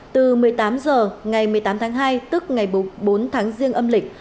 từ một mươi tám h ngày một mươi tám tháng hai tức ngày bốn tháng riêng âm lịch